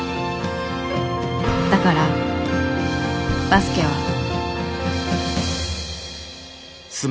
だからバスケは。